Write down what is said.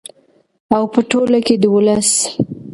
او په ټوله کې د ولس